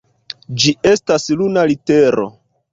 Ĝi estas luna litero.